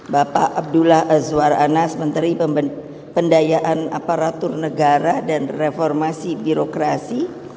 bapak abdullah azwar anas menteri pendayaan aparatur negara dan reformasi birokrasi